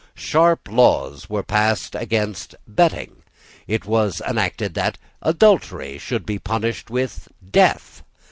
Sharp laws were passed against betting. It was enacted that adultery should be punished with death.